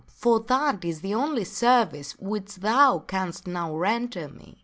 For that is the only service which thou canst now render me."